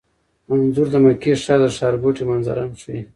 انځور د مکې ښار د ښارګوټي منظره هم ښيي.